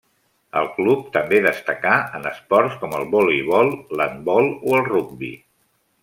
El club també destacà en esports com el voleibol, l'handbol o el rugbi.